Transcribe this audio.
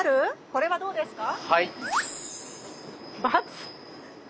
これはどうですか？